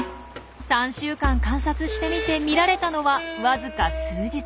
３週間観察してみて見られたのはわずか数日。